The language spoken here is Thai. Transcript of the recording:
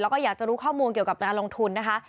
แล้วก็อยากจะรู้ข้อมูลเกี่ยวกับการลงทุนนะคะ